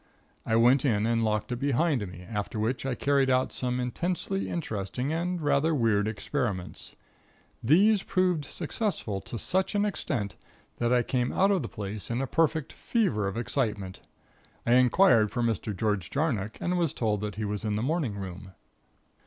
I went in and locked it behind me, after which I carried out some intensely interesting and rather weird experiments. These proved successful to such an extent that I came out of the place in a perfect fever of excitement. I inquired for Mr. George Jarnock and was told that he was in the morning room.